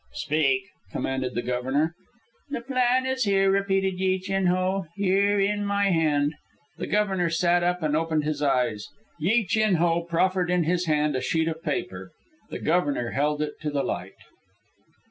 "Speak," commanded the Governor. "The plan is here," repeated Yi Chin Ho, "here in my hand." The Governor sat up and opened his eyes. Yi Chin Ho proffered in his hand a sheet of paper. The Governor held it to the light.